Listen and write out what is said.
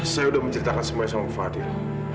saya sudah menceritakan semuanya sama pak fadil